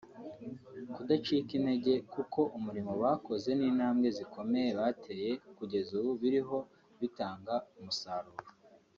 Kudacika intege kuko umurimo bakoze n’intambwe zikomeye bateye kugeza ubu biriho bitanga umusaruro